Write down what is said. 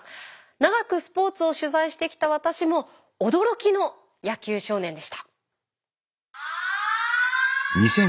長くスポーツを取材してきた私も驚きの野球少年でした。